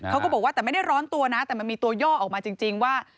เขาก็บอกว่าแต่ไม่ได้ร้อนตัวนะแต่มันมีตัวย่อออกมาจริงว่า